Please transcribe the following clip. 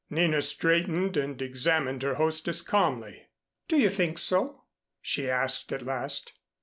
Nina straightened and examined her hostess calmly. "Do you think so?" she asked at last.